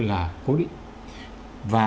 là cố định và